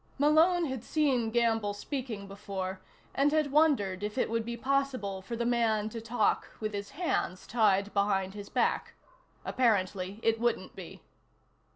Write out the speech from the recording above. Malone had seen Gamble speaking before, and had wondered if it would be possible for the man to talk with his hands tied behind his back. Apparently it wouldn't be.